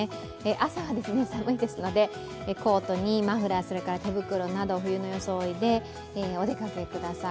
朝は寒いですので、コートにマフラー、手袋など冬の装いでお出かけください。